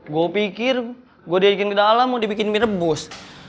gue pikir gue diajakin ke dalam mau dibikin mie rebus